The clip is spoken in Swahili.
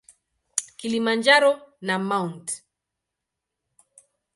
Kilimanjaro na Mt.